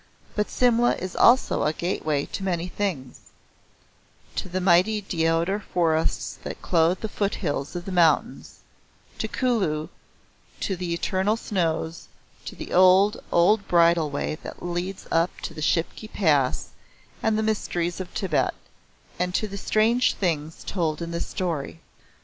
But Simla is also a gateway to many things to the mighty deodar forests that clothe the foot hills of the mountains, to Kulu, to the eternal snows, to the old, old bridle way that leads up to the Shipki Pass and the mysteries of Tibet and to the strange things told in this story.